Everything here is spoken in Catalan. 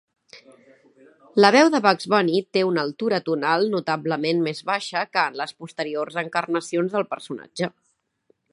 La veu de Bugs Bunny té una altura tonal notablement més baixa que en les posteriors encarnacions del personatge.